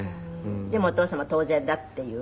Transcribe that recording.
でもお父様は当然だっていう事でしょ？